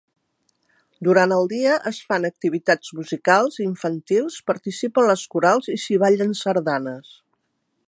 Durant el dia es fan activitats musicals, infantils, participen les corals i s'hi ballen sardanes.